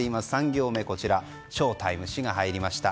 ３行目、ショータイムの「シ」が入りました。